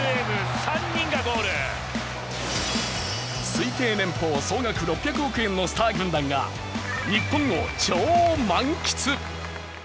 推定年俸総額６００億円のスター軍団が、日本を超満喫。